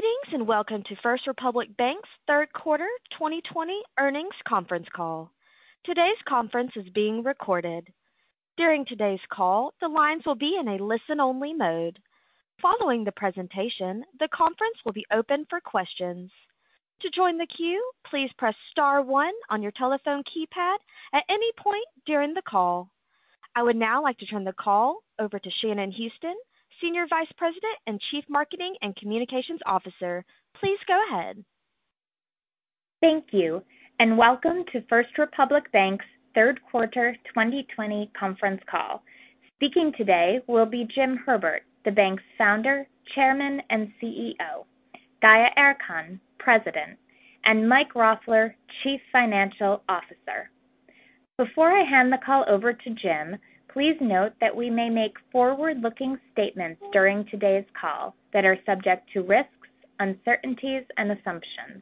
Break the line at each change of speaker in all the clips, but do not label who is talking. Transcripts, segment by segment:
Greetings and welcome to First Republic Bank's Third Quarter 2020 earnings conference call. Today's conference is being recorded. During today's call, the lines will be in a listen-only mode. Following the presentation, the conference will be open for questions. To join the queue, please press star one on your telephone keypad at any point during the call. I would now like to turn the call over to Shannon Houston, senior vice president and chief marketing and communications officer. Please go ahead.
Thank you, and welcome to First Republic Bank's third quarter 2020 conference call. Speaking today will be Jim Herbert, the bank's founder, chairman, and CEO, Gaye Erkan, president, and Mike Roffler, chief financial officer. Before I hand the call over to Jim, please note that we may make forward-looking statements during today's call that are subject to risks, uncertainties, and assumptions.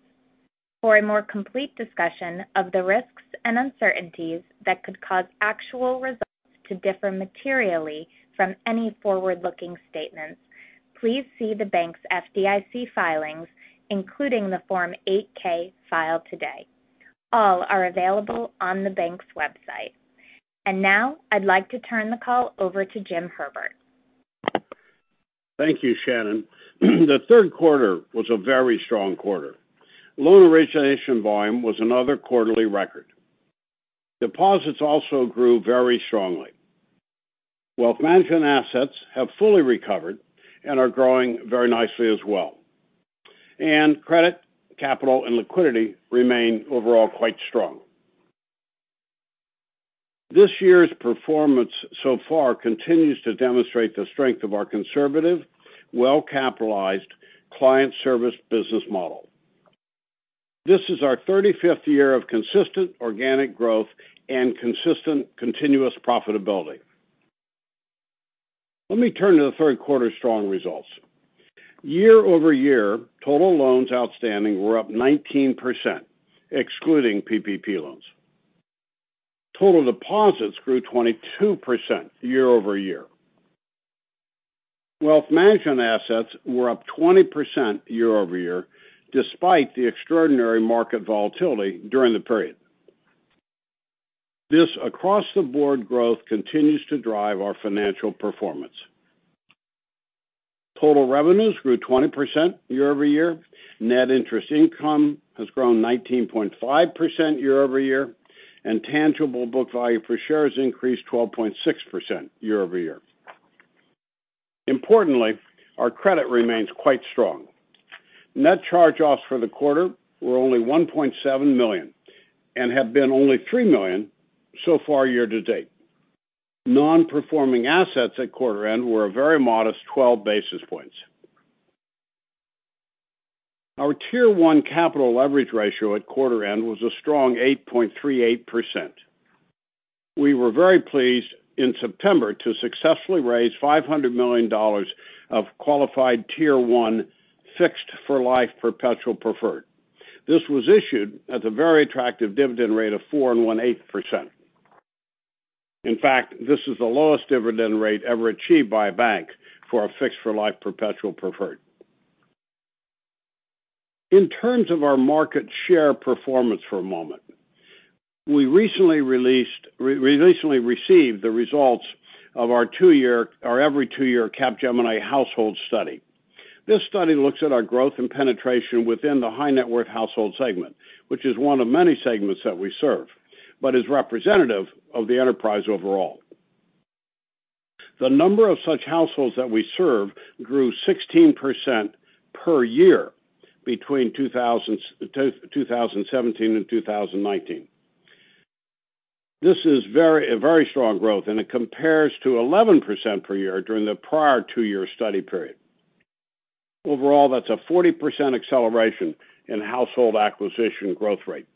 For a more complete discussion of the risks and uncertainties that could cause actual results to differ materially from any forward-looking statements, please see the bank's FDIC filings, including the Form 8-K filed today. All are available on the bank's website. And now, I'd like to turn the call over to Jim Herbert.
Thank you, Shannon. The third quarter was a very strong quarter. Loan origination volume was another quarterly record. Deposits also grew very strongly. Wealth management assets have fully recovered and are growing very nicely as well. And credit, capital, and liquidity remain overall quite strong. This year's performance so far continues to demonstrate the strength of our conservative, well-capitalized, client-service business model. This is our 35th year of consistent organic growth and consistent continuous profitability. Let me turn to the third quarter strong results. Year-over-year, total loans outstanding were up 19%, excluding PPP loans. Total deposits grew 22% year-over-year. Wealth management assets were up 20% year-over-year despite the extraordinary market volatility during the period. This across-the-board growth continues to drive our financial performance. Total revenues grew 20% year-over-year. Net interest income has grown 19.5% year-over-year, and tangible book value per share has increased 12.6% year-over-year. Importantly, our credit remains quite strong. Net charge-offs for the quarter were only $1.7 million and have been only $3 million so far year to date. Non-performing assets at quarter-end were a very modest 12 basis points. Our Tier 1 capital leverage ratio at quarter-end was a strong 8.38%. We were very pleased in September to successfully raise $500 million of qualified Tier 1 fixed-for-life perpetual preferred. This was issued at the very attractive dividend rate of 4.18%. In fact, this is the lowest dividend rate ever achieved by a bank for a fixed-for-life perpetual preferred. In terms of our market share performance for a moment, we recently received the results of our every two-year Capgemini household study. This study looks at our growth and penetration within the high-net-worth household segment, which is one of many segments that we serve, but is representative of the enterprise overall. The number of such households that we serve grew 16% per year between 2017 and 2019. This is a very strong growth, and it compares to 11% per year during the prior two-year study period. Overall, that's a 40% acceleration in household acquisition growth rate.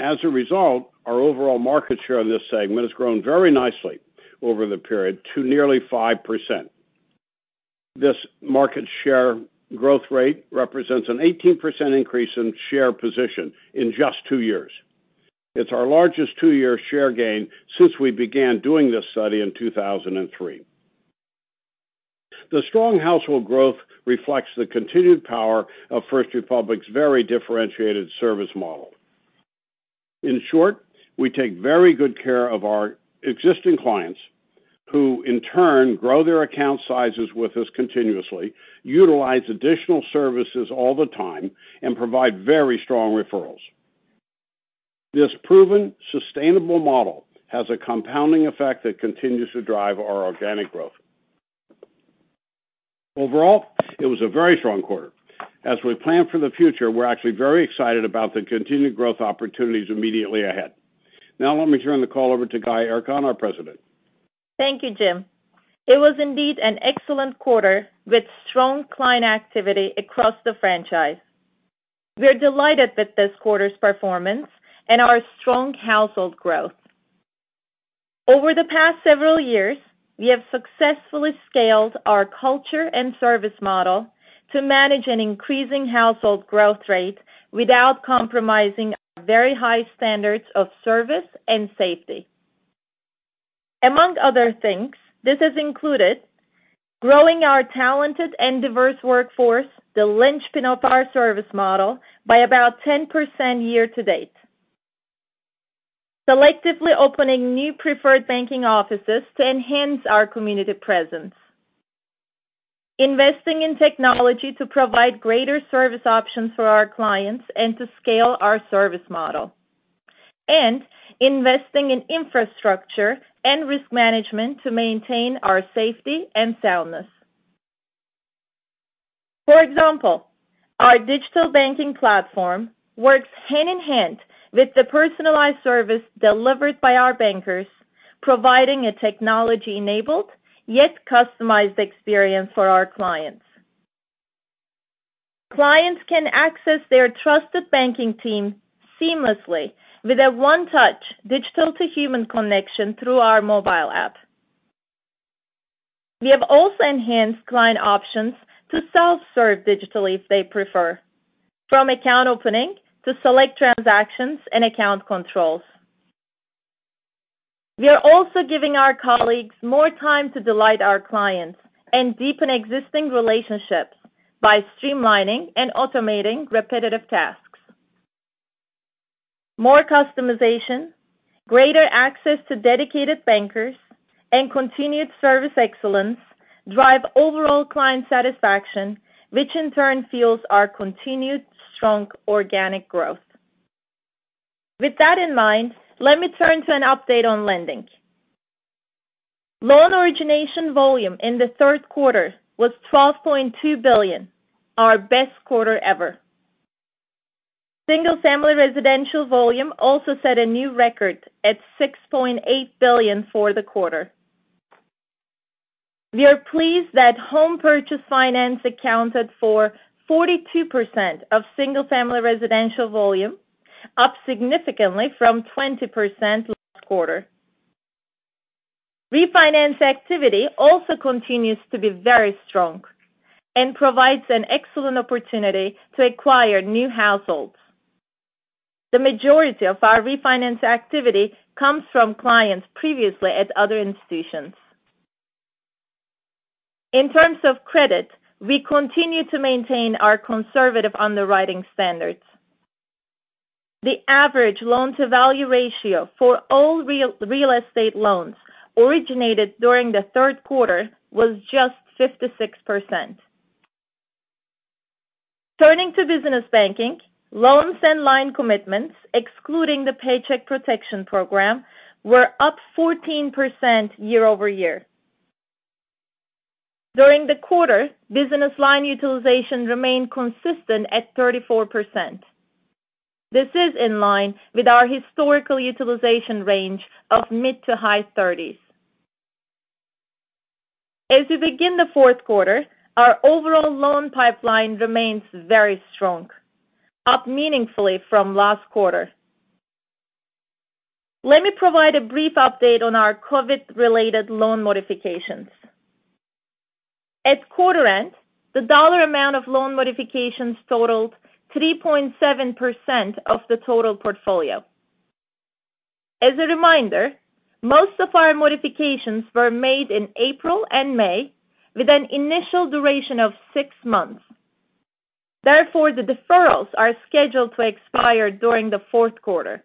As a result, our overall market share in this segment has grown very nicely over the period to nearly 5%. This market share growth rate represents an 18% increase in share position in just two years. It's our largest two-year share gain since we began doing this study in 2003. The strong household growth reflects the continued power of First Republic's very differentiated service model. In short, we take very good care of our existing clients who, in turn, grow their account sizes with us continuously, utilize additional services all the time, and provide very strong referrals. This proven, sustainable model has a compounding effect that continues to drive our organic growth. Overall, it was a very strong quarter. As we plan for the future, we're actually very excited about the continued growth opportunities immediately ahead. Now, let me turn the call over to Gaye Erkan, our President.
Thank you, Jim. It was indeed an excellent quarter with strong client activity across the franchise. We're delighted with this quarter's performance and our strong household growth. Over the past several years, we have successfully scaled our culture and service model to manage an increasing household growth rate without compromising our very high standards of service and safety. Among other things, this has included growing our talented and diverse workforce, the linchpin of our service model, by about 10% year to date. Selectively opening new Preferred Banking Offices to enhance our community presence. Investing in technology to provide greater service options for our clients and to scale our service model. And investing in infrastructure and risk management to maintain our safety and soundness. For example, our digital banking platform works hand in hand with the personalized service delivered by our bankers, providing a technology-enabled yet customized experience for our clients. Clients can access their trusted banking team seamlessly with a one-touch digital-to-human connection through our mobile app. We have also enhanced client options to self-serve digitally if they prefer, from account opening to select transactions and account controls. We are also giving our colleagues more time to delight our clients and deepen existing relationships by streamlining and automating repetitive tasks. More customization, greater access to dedicated bankers, and continued service excellence drive overall client satisfaction, which in turn fuels our continued strong organic growth. With that in mind, let me turn to an update on lending. Loan origination volume in the third quarter was $12.2 billion, our best quarter ever. Single-family residential volume also set a new record at $6.8 billion for the quarter. We are pleased that home purchase finance accounted for 42% of single-family residential volume, up significantly from 20% last quarter. Refinance activity also continues to be very strong and provides an excellent opportunity to acquire new households. The majority of our refinance activity comes from clients previously at other institutions. In terms of credit, we continue to maintain our conservative underwriting standards. The average loan-to-value ratio for all real estate loans originated during the third quarter was just 56%. Turning to business banking, loans and line commitments, excluding the Paycheck Protection Program, were up 14% year-over-year. During the quarter, business line utilization remained consistent at 34%. This is in line with our historical utilization range of mid to high 30s. As we begin the fourth quarter, our overall loan pipeline remains very strong, up meaningfully from last quarter. Let me provide a brief update on our COVID-related loan modifications. At quarter-end, the dollar amount of loan modifications totaled 3.7% of the total portfolio. As a reminder, most of our modifications were made in April and May, with an initial duration of six months. Therefore, the deferrals are scheduled to expire during the fourth quarter.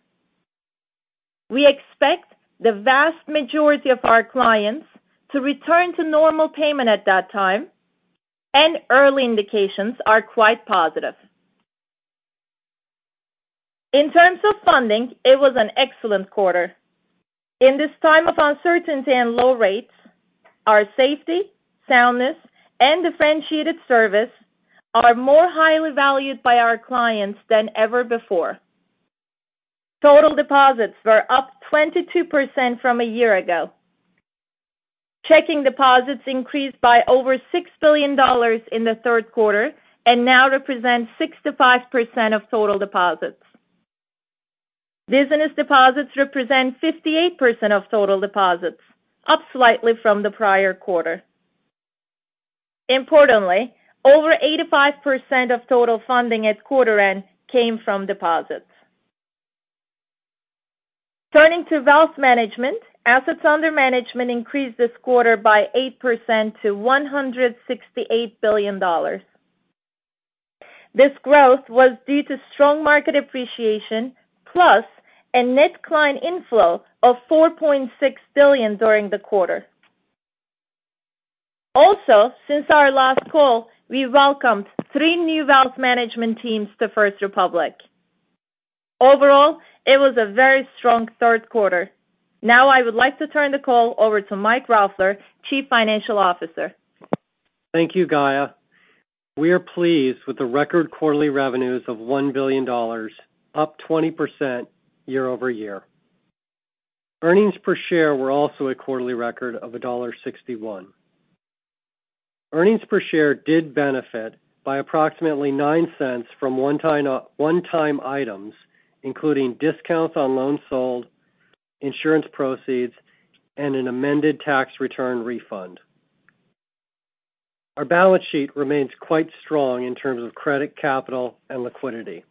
We expect the vast majority of our clients to return to normal payment at that time, and early indications are quite positive. In terms of funding, it was an excellent quarter. In this time of uncertainty and low rates, our safety, soundness, and differentiated service are more highly valued by our clients than ever before. Total deposits were up 22% from a year ago. Checking deposits increased by over $6 billion in the third quarter and now represent 65% of total deposits. Business deposits represent 58% of total deposits, up slightly from the prior quarter. Importantly, over 85% of total funding at quarter-end came from deposits. Turning to wealth management, assets under management increased this quarter by 8% to $168 billion. This growth was due to strong market appreciation plus a net client inflow of $4.6 billion during the quarter. Also, since our last call, we welcomed three new wealth management teams to First Republic. Overall, it was a very strong third quarter. Now, I would like to turn the call over to Mike Roffler, Chief Financial Officer.
Thank you, Gaye. We are pleased with the record quarterly revenues of $1 billion, up 20% year-over-year. Earnings per share were also at quarterly record of $1.61. Earnings per share did benefit by approximately $0.09 from one-time items, including discounts on loans sold, insurance proceeds, and an amended tax return refund. Our balance sheet remains quite strong in terms of credit capital and liquidity.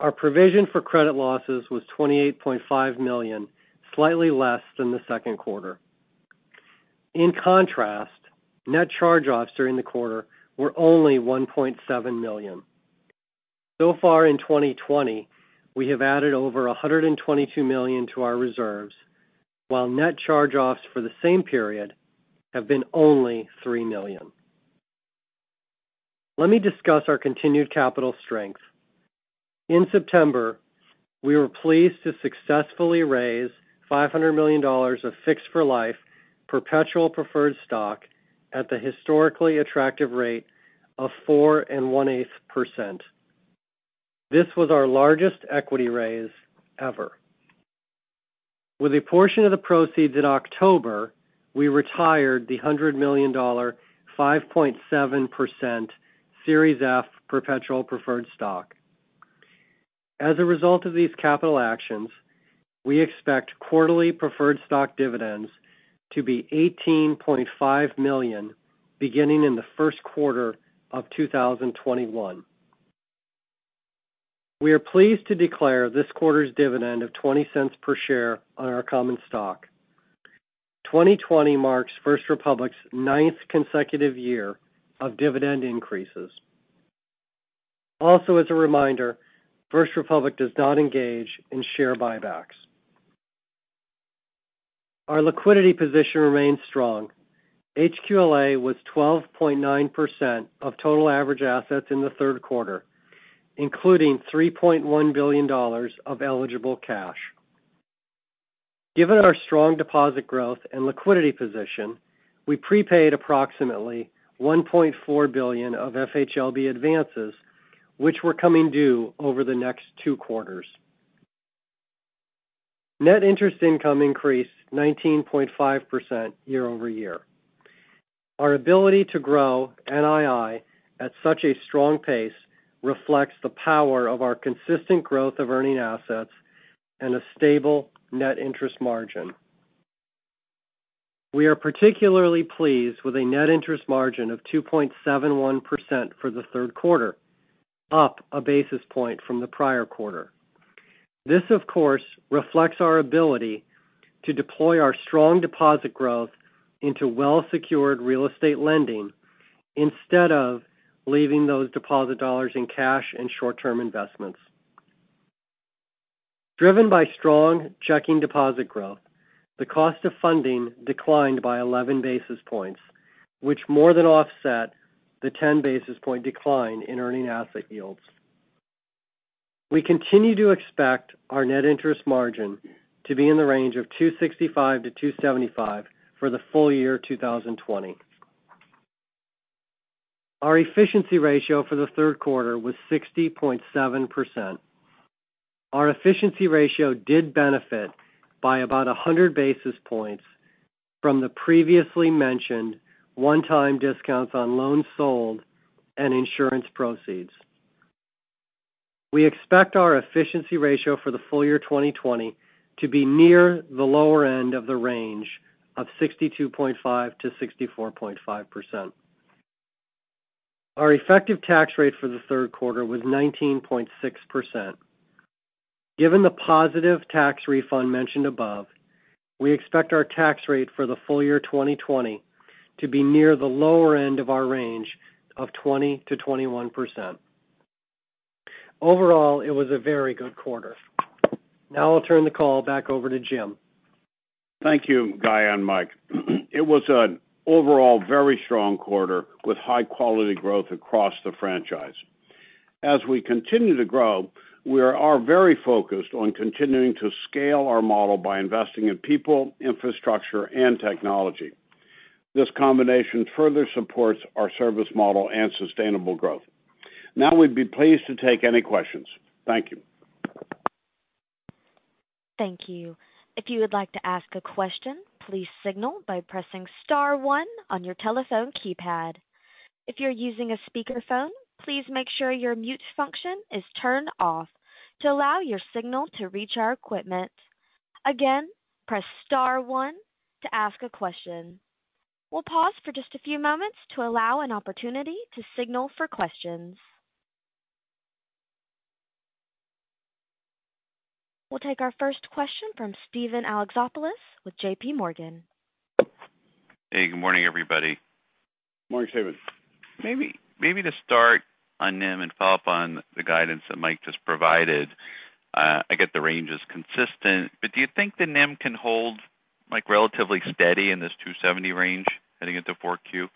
Our provision for credit losses was $28.5 million, slightly less than the second quarter. In contrast, net charge-offs during the quarter were only $1.7 million. So far in 2020, we have added over $122 million to our reserves, while net charge-offs for the same period have been only $3 million. Let me discuss our continued capital strength. In September, we were pleased to successfully raise $500 million of fixed-for-life perpetual preferred stock at the historically attractive rate of 4.18%. This was our largest equity raise ever. With a portion of the proceeds in October, we retired the $100 million, 5.7% Series F perpetual preferred stock. As a result of these capital actions, we expect quarterly preferred stock dividends to be $18.5 million beginning in the Q1 of 2021. We are pleased to declare this quarter's dividend of $0.20 per share on our common stock. 2020 marks First Republic's ninth consecutive year of dividend increases. Also, as a reminder, First Republic does not engage in share buybacks. Our liquidity position remains strong. HQLA was 12.9% of total average assets in the third quarter, including $3.1 billion of eligible cash. Given our strong deposit growth and liquidity position, we prepaid approximately $1.4 billion of FHLB advances, which were coming due over the next two quarters. Net interest income increased 19.5% year-over-year. Our ability to grow NII at such a strong pace reflects the power of our consistent growth of earning assets and a stable net interest margin. We are particularly pleased with a net interest margin of 2.71% for the third quarter, up a basis point from the prior quarter. This, of course, reflects our ability to deploy our strong deposit growth into well-secured real estate lending instead of leaving those deposit dollars in cash and short-term investments. Driven by strong checking deposit growth, the cost of funding declined by 11 basis points, which more than offset the 10 basis points decline in earning asset yields. We continue to expect our net interest margin to be in the range of 265-275 for the full year 2020. Our efficiency ratio for the third quarter was 60.7%. Our efficiency ratio did benefit by about 100 basis points from the previously mentioned one-time discounts on loans sold and insurance proceeds. We expect our efficiency ratio for the full year 2020 to be near the lower end of the range of 62.5%-64.5%. Our effective tax rate for the third quarter was 19.6%. Given the positive tax refund mentioned above, we expect our tax rate for the full year 2020 to be near the lower end of our range of 20%-21%. Overall, it was a very good quarter. Now, I'll turn the call back over to Jim.
Thank you, Gaye and Mike. It was an overall very strong quarter with high-quality growth across the franchise. As we continue to grow, we are very focused on continuing to scale our model by investing in people, infrastructure, and technology. This combination further supports our service model and sustainable growth. Now, we'd be pleased to take any questions. Thank you.
Thank you. If you would like to ask a question, please signal by pressing star one on your telephone keypad. If you're using a speakerphone, please make sure your mute function is turned off to allow your signal to reach our equipment. Again, press star one to ask a question. We'll pause for just a few moments to allow an opportunity to signal for questions. We'll take our first question from Steven Alexopoulos with JPMorgan.
Hey, good morning, everybody.
Morning, Steven.
Maybe to start on NIM and follow up on the guidance that Mike just provided, I get the range is consistent, but do you think the NIM can hold relatively steady in this 270 range heading into 4Q?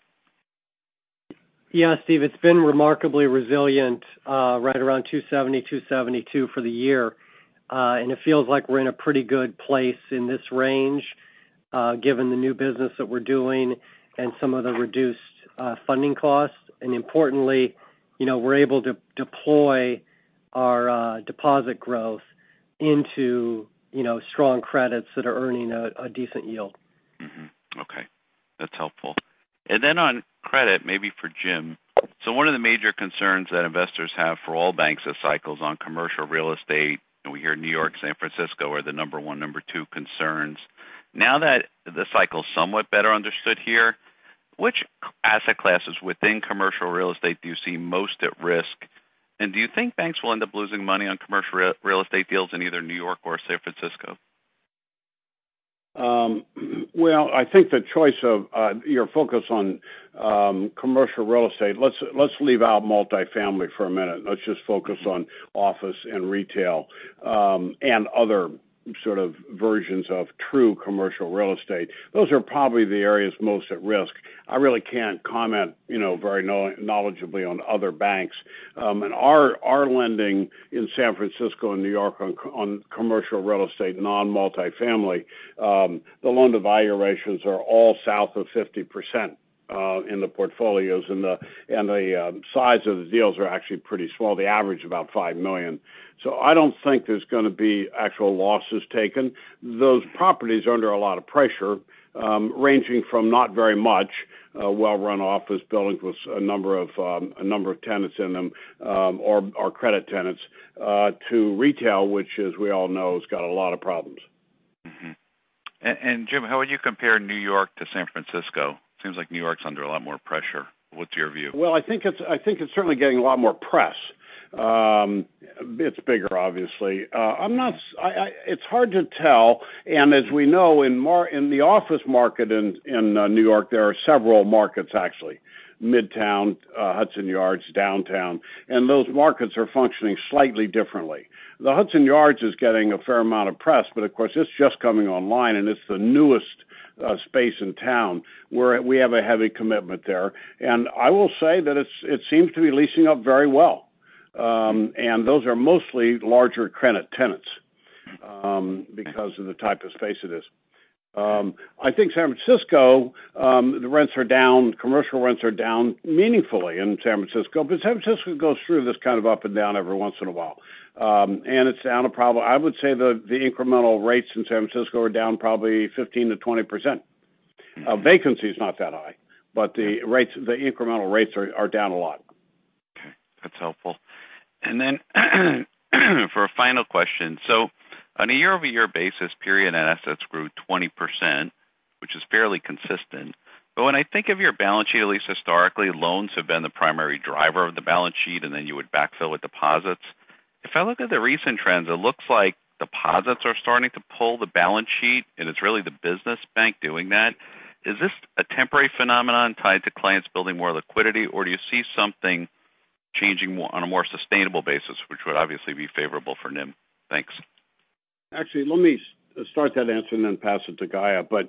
Yeah, Steve, it's been remarkably resilient right around 270, 272 for the year, and it feels like we're in a pretty good place in this range given the new business that we're doing and some of the reduced funding costs, and importantly, we're able to deploy our deposit growth into strong credits that are earning a decent yield.
Okay. That's helpful. And then on credit, maybe for Jim. So one of the major concerns that investors have for all banks is cycles on commercial real estate. We hear New York, San Francisco are the number one, number two concerns. Now that the cycle is somewhat better understood here, which asset classes within commercial real estate do you see most at risk? And do you think banks will end up losing money on commercial real estate deals in either New York or San Francisco?
I think the choice of your focus on commercial real estate, let's leave out multifamily for a minute. Let's just focus on office and retail and other sort of versions of true commercial real estate. Those are probably the areas most at risk. I really can't comment very knowledgeably on other banks. And our lending in San Francisco and New York on commercial real estate, non-multifamily, the loan-to-value ratios are all south of 50% in the portfolios, and the size of the deals are actually pretty small. They average about $5 million. So I don't think there's going to be actual losses taken. Those properties are under a lot of pressure, ranging from not very much, well-run office buildings with a number of tenants in them or credit tenants, to retail, which, as we all know, has got a lot of problems.
Jim, how would you compare New York to San Francisco? It seems like New York's under a lot more pressure. What's your view?
Well, I think it's certainly getting a lot more press. It's bigger, obviously. It's hard to tell. And as we know, in the office market in New York, there are several markets, actually: Midtown, Hudson Yards, Downtown. And those markets are functioning slightly differently. The Hudson Yards is getting a fair amount of press, but of course, it's just coming online, and it's the newest space in town. We have a heavy commitment there. And I will say that it seems to be leasing up very well. And those are mostly larger credit tenants because of the type of space it is. I think San Francisco, the rents are down, commercial rents are down meaningfully in San Francisco, but San Francisco goes through this kind of up and down every once in a while. It's down to probably, I would say the incremental rates in San Francisco are down probably 15%-20%. Vacancy is not that high, but the incremental rates are down a lot.
Okay. That's helpful. And then for a final question, so on a year-over-year basis, period-end assets grew 20%, which is fairly consistent. But when I think of your balance sheet, at least historically, loans have been the primary driver of the balance sheet, and then you would backfill with deposits. If I look at the recent trends, it looks like deposits are starting to pull the balance sheet, and it's really the business bank doing that. Is this a temporary phenomenon tied to clients building more liquidity, or do you see something changing on a more sustainable basis, which would obviously be favorable for NIM? Thanks.
Actually, let me start that answer and then pass it to Gaye, but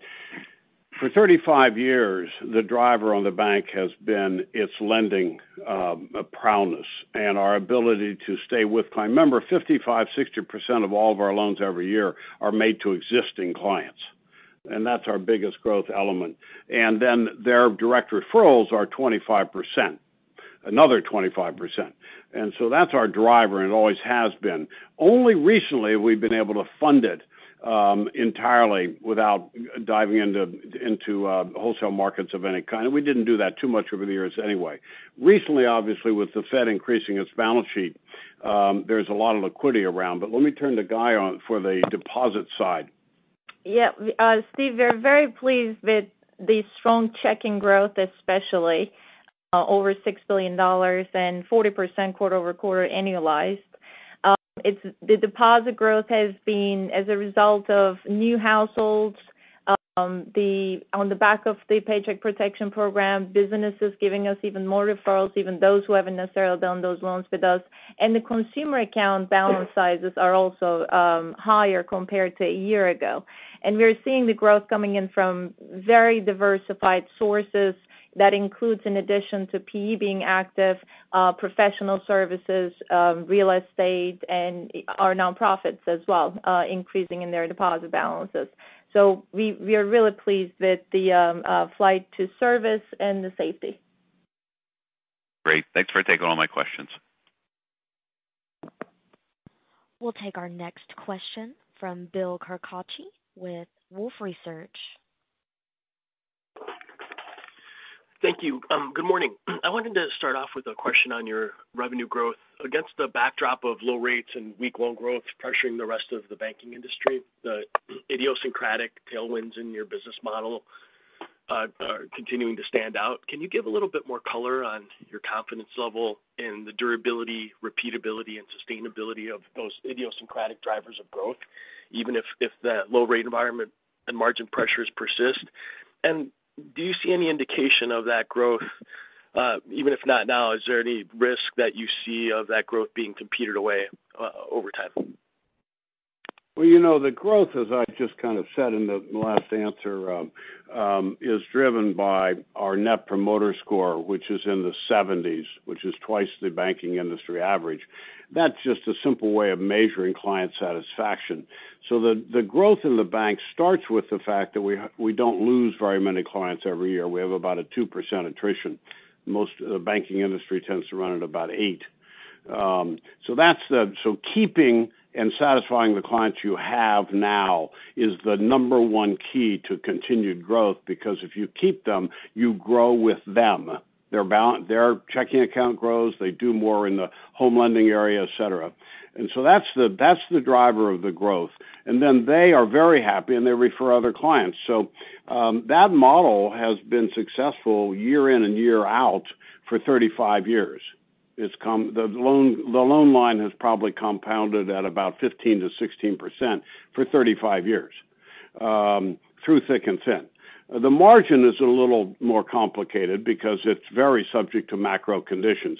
for 35 years, the driver on the bank has been its lending prowess and our ability to stay with clients. Remember, 55%-60% of all of our loans every year are made to existing clients. And that's our biggest growth element. And then their direct referrals are 25%, another 25%. And so that's our driver and always has been. Only recently have we been able to fund it entirely without diving into wholesale markets of any kind. And we didn't do that too much over the years anyway. Recently, obviously, with the Fed increasing its balance sheet, there's a lot of liquidity around. But let me turn to Gaye for the deposit side.
Yeah. Steve, we're very pleased with the strong checking growth, especially over $6 billion and 40% quarter-over-quarter annualized. The deposit growth has been as a result of new households. On the back of the Paycheck Protection Program, business is giving us even more referrals, even those who haven't necessarily done those loans with us. And the consumer account balance sizes are also higher compared to a year ago. And we're seeing the growth coming in from very diversified sources that includes, in addition to PE being active, professional services, real estate, and our nonprofits as well increasing in their deposit balances. So we are really pleased with the flight to service and the safety.
Great. Thanks for taking all my questions.
We'll take our next question from Bill Carcache with Wolfe Research.
Thank you. Good morning. I wanted to start off with a question on your revenue growth. Against the backdrop of low rates and weak loan growth pressuring the rest of the banking industry, the idiosyncratic tailwinds in your business model are continuing to stand out. Can you give a little bit more color on your confidence level in the durability, repeatability, and sustainability of those idiosyncratic drivers of growth, even if the low-rate environment and margin pressures persist? Do you see any indication of that growth? Even if not now, is there any risk that you see of that growth being competed away over time?
The growth, as I just kind of said in the last answer, is driven by our Net Promoter Score, which is in the 70s, which is twice the banking industry average. That's just a simple way of measuring client satisfaction. So the growth in the bank starts with the fact that we don't lose very many clients every year. We have about a 2% attrition. Most of the banking industry tends to run at about 8%. So keeping and satisfying the clients you have now is the number one key to continued growth because if you keep them, you grow with them. Their checking account grows. They do more in the home lending area, etc. And so that's the driver of the growth. And then they are very happy, and they refer other clients. So that model has been successful year in and year out for 35 years. The loan line has probably compounded at about 15%-16% for 35 years through thick and thin. The margin is a little more complicated because it's very subject to macro conditions.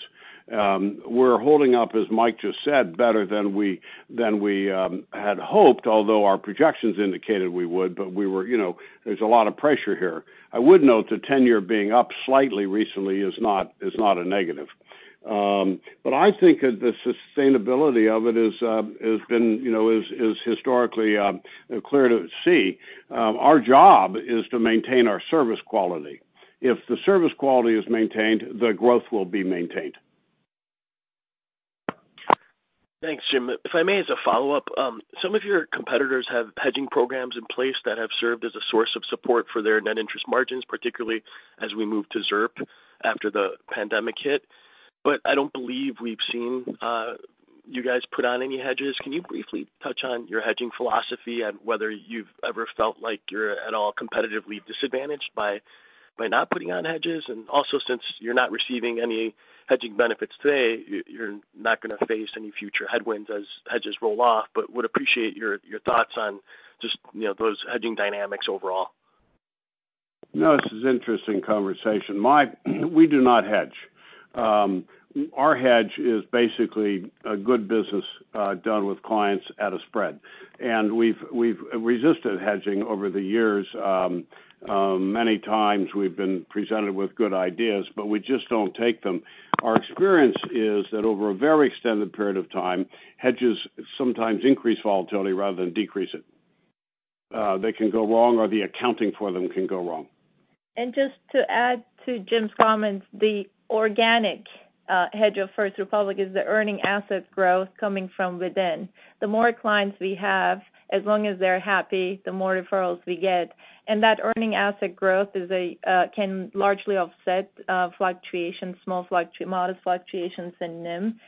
We're holding up, as Mike just said, better than we had hoped, although our projections indicated we would, but there's a lot of pressure here. I would note the 10-year being up slightly recently is not a negative. But I think the sustainability of it has been historically clear to see. Our job is to maintain our service quality. If the service quality is maintained, the growth will be maintained.
Thanks, Jim. If I may, as a follow-up, some of your competitors have hedging programs in place that have served as a source of support for their net interest margins, particularly as we moved to ZIRP after the pandemic hit. But I don't believe we've seen you guys put on any hedges. Can you briefly touch on your hedging philosophy and whether you've ever felt like you're at all competitively disadvantaged by not putting on hedges? And also, since you're not receiving any hedging benefits today, you're not going to face any future headwinds as hedges roll off, but would appreciate your thoughts on just those hedging dynamics overall.
No, this is an interesting conversation. We do not hedge. Our hedge is basically a good business done with clients at a spread, and we've resisted hedging over the years. Many times, we've been presented with good ideas, but we just don't take them. Our experience is that over a very extended period of time, hedges sometimes increase volatility rather than decrease it. They can go wrong, or the accounting for them can go wrong.
And just to add to Jim's comments, the organic hedge of First Republic is the earning asset growth coming from within. The more clients we have, as long as they're happy, the more referrals we get. And that earning asset growth can largely offset small modest fluctuations in NIM.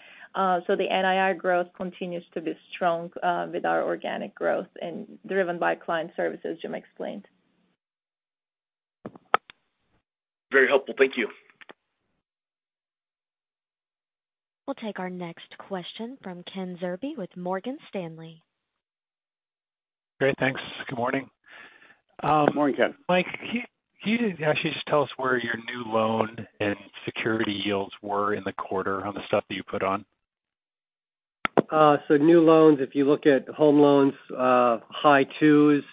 So the NII growth continues to be strong with our organic growth and driven by client service, as Jim explained.
Very helpful. Thank you.
We'll take our next question from Ken Zerby with Morgan Stanley. Great. Thanks. Good morning.
Morning, Ken. Mike, can you actually just tell us where your new loan and security yields were in the quarter on the stuff that you put on?
New loans, if you look at home loans, high twos,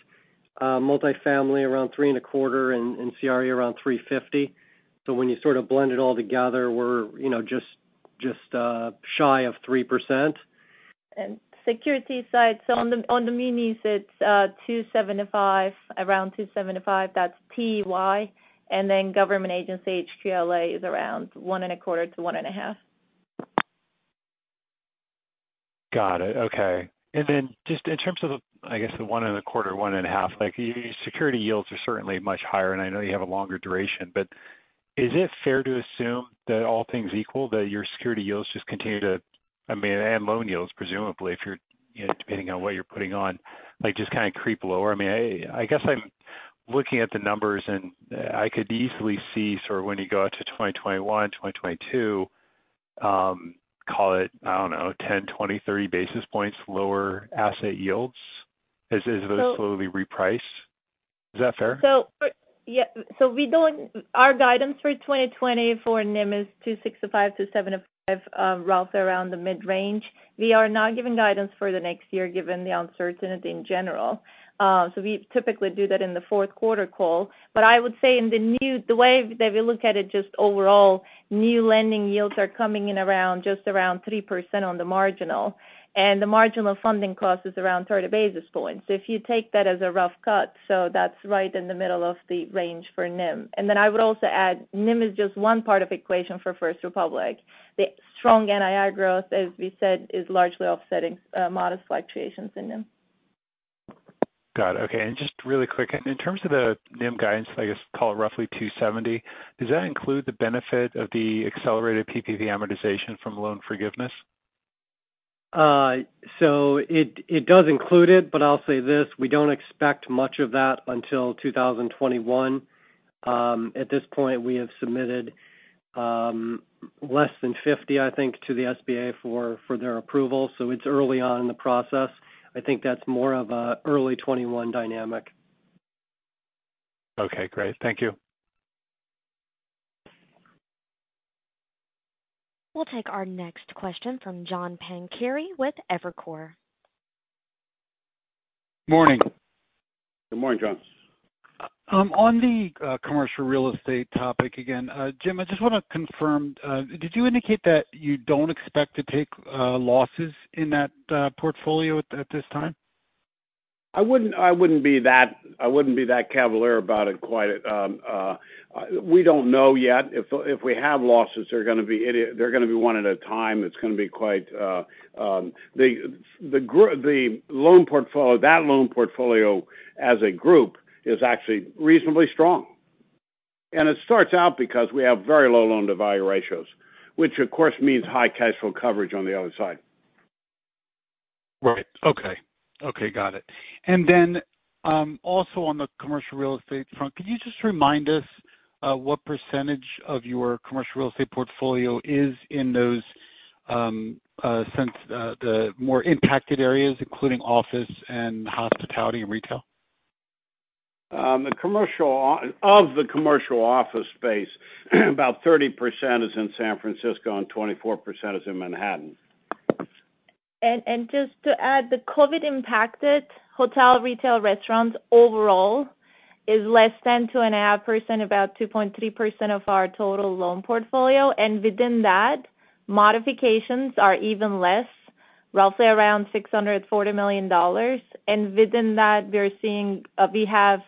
multifamily around three and a quarter, and CRE around 350. When you sort of blend it all together, we're just shy of 3%.
the securities side, so on the munis, it's 275, around 275. That's TEY. And then government agency HQLA is around 1.25-1.5. Got it. Okay. And then just in terms of, I guess, the one and a quarter, one and a half, your security yields are certainly much higher, and I know you have a longer duration, but is it fair to assume that all things equal, that your security yields just continue to, I mean, and loan yields, presumably, depending on what you're putting on, just kind of creep lower? I mean, I guess I'm looking at the numbers, and I could easily see sort of when you go out to 2021, 2022, call it, I don't know, 10, 20, 30 basis points lower asset yields as those slowly reprice. Is that fair? Our guidance for 2020 for NIM is 265-275, roughly around the mid-range. We are not giving guidance for the next year given the uncertainty in general. We typically do that in the fourth quarter call. But I would say in the way that we look at it just overall, new lending yields are coming in around 3% on the marginal. And the marginal funding cost is around 30 basis points. So if you take that as a rough cut, that's right in the middle of the range for NIM. And then I would also add NIM is just one part of the equation for First Republic. The strong NII growth, as we said, is largely offsetting modest fluctuations in NIM. Got it. Okay. And just really quick, in terms of the NIM guidance, I guess call it roughly 270, does that include the benefit of the accelerated PPP amortization from loan forgiveness?
So it does include it, but I'll say this. We don't expect much of that until 2021. At this point, we have submitted less than 50, I think, to the SBA for their approval. So it's early on in the process. I think that's more of an early 2021 dynamic. Okay. Great. Thank you.
We'll take our next question from John Pancari with Evercore.
Morning.
Good morning, John.
On the commercial real estate topic again, Jim, I just want to confirm, did you indicate that you don't expect to take losses in that portfolio at this time?
I wouldn't be that cavalier about it quite. We don't know yet. If we have losses, they're going to be one at a time. It's going to be quite the loan portfolio. That loan portfolio as a group is actually reasonably strong. It starts out because we have very low loan-to-value ratios, which, of course, means high cash flow coverage on the other side.
Right. Okay. Okay. Got it. And then also on the commercial real estate front, can you just remind us what percentage of your commercial real estate portfolio is in those more impacted areas, including office and hospitality and retail?
Of the commercial office space, about 30% is in San Francisco and 24% is in Manhattan.
Just to add, the COVID-impacted hotel retail restaurants overall is less than 2.5%, about 2.3% of our total loan portfolio. Within that, modifications are even less, roughly around $640 million. Within that, we have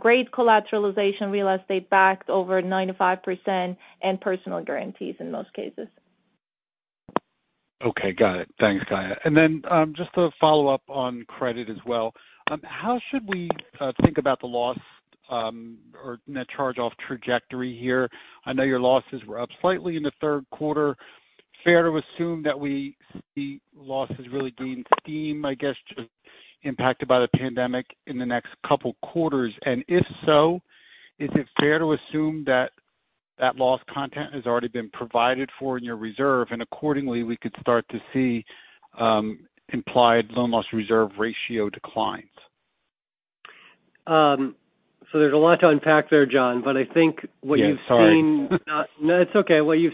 great collateralization real estate backed over 95% and personal guarantees in most cases.
Okay. Got it. Thanks, Gaye. And then just to follow up on credit as well, how should we think about the loss or net charge-off trajectory here? I know your losses were up slightly in the third quarter. Fair to assume that we see losses really gain steam, I guess, just impacted by the pandemic in the next couple of quarters? And if so, is it fair to assume that that loss content has already been provided for in your reserve? And accordingly, we could start to see implied loan loss reserve ratio declines.
There's a lot to unpack there, John, but I think what you've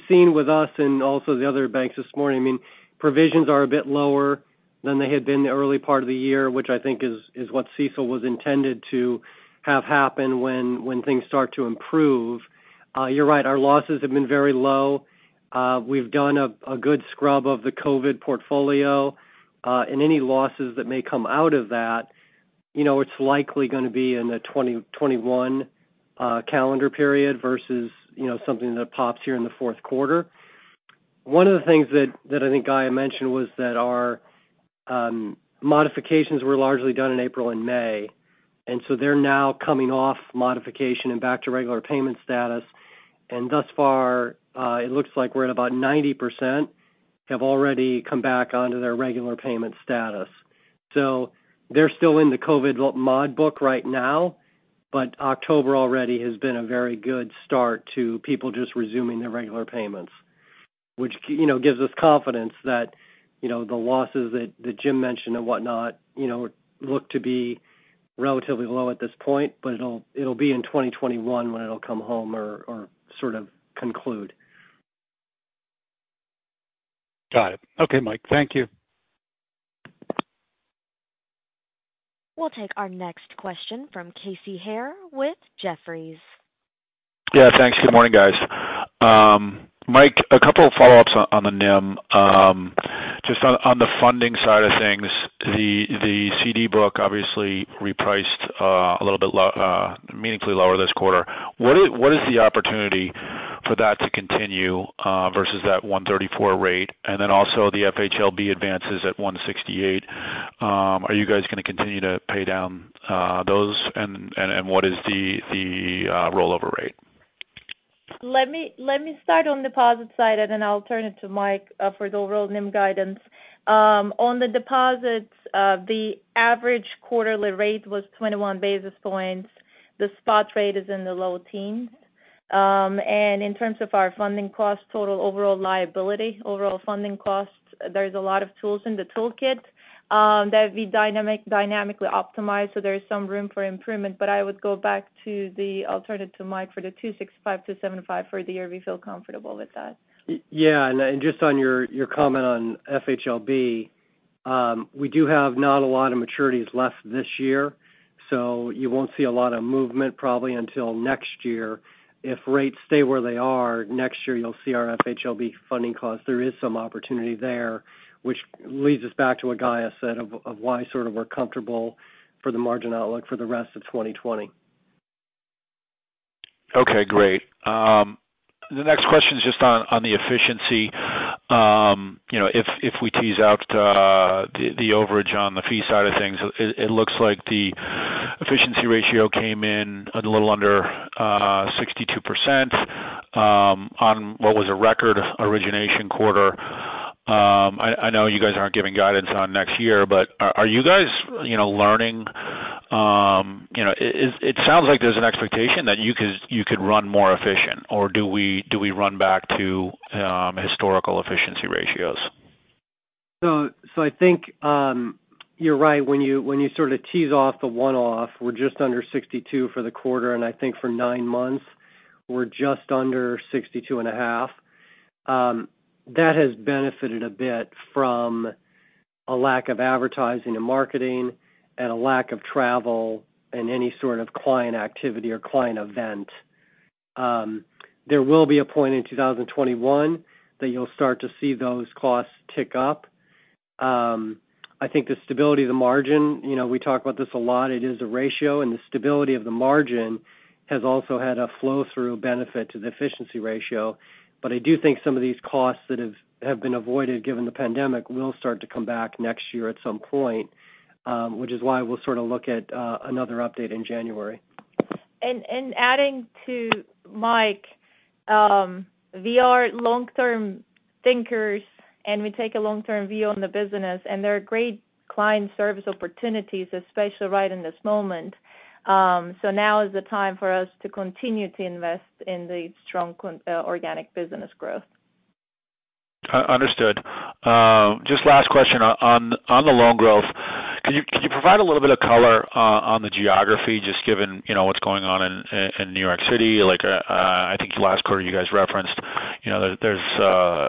seen with us and also the other banks this morning. I mean, provisions are a bit lower than they had been the early part of the year, which I think is what CECL was intended to have happen when things start to improve. You're right. Our losses have been very low. We've done a good scrub of the COVID portfolio. And any losses that may come out of that, it's likely going to be in the 2021 calendar period versus something that pops here in the fourth quarter. One of the things that I think Gaye mentioned was that our modifications were largely done in April and May. And so they're now coming off modification and back to regular payment status. And thus far, it looks like we're at about 90% have already come back onto their regular payment status. So they're still in the COVID mod book right now, but October already has been a very good start to people just resuming their regular payments, which gives us confidence that the losses that Jim mentioned and whatnot look to be relatively low at this point, but it'll be in 2021 when it'll come home or sort of conclude.
Got it. Okay, Mike. Thank you.
We'll take our next question from Casey Haire with Jefferies.
Yeah. Thanks. Good morning, guys. Mike, a couple of follow-ups on the NIM. Just on the funding side of things, the CD book obviously repriced a little bit meaningfully lower this quarter. What is the opportunity for that to continue versus that 134 rate? And then also the FHLB advances at 168. Are you guys going to continue to pay down those? And what is the rollover rate?
Let me start on the deposit side, and then I'll turn it over to Mike for the overall NIM guidance. On the deposits, the average quarterly rate was 21 basis points. The spot rate is in the low teens. And in terms of our funding costs, total overall liability, overall funding costs, there's a lot of tools in the toolkit that we dynamically optimize. So there's some room for improvement. But I'll turn it back to Mike for the 265-275 for the year. We feel comfortable with that.
Yeah. And just on your comment on FHLB, we do have not a lot of maturities left this year. So you won't see a lot of movement probably until next year. If rates stay where they are, next year you'll see our FHLB funding costs. There is some opportunity there, which leads us back to what Gaye said of why sort of we're comfortable for the margin outlook for the rest of 2020.
Okay. Great. The next question is just on the efficiency. If we tease out the overage on the fee side of things, it looks like the efficiency ratio came in a little under 62% on what was a record origination quarter. I know you guys aren't giving guidance on next year, but are you guys learning? It sounds like there's an expectation that you could run more efficient, or do we run back to historical efficiency ratios?
I think you're right. When you sort of tease off the one-off, we're just under 62% for the quarter. And I think for nine months, we're just under 62.5%. That has benefited a bit from a lack of advertising and marketing and a lack of travel and any sort of client activity or client event. There will be a point in 2021 that you'll start to see those costs tick up. I think the stability of the margin, we talk about this a lot. It is a ratio. And the stability of the margin has also had a flow-through benefit to the efficiency ratio. But I do think some of these costs that have been avoided given the pandemic will start to come back next year at some point, which is why we'll sort of look at another update in January.
Adding to Mike, we are long-term thinkers, and we take a long-term view on the business. There are great client service opportunities, especially right in this moment. Now is the time for us to continue to invest in the strong organic business growth.
Understood. Just last question on the loan growth. Can you provide a little bit of color on the geography, just given what's going on in New York City? I think last quarter you guys referenced there's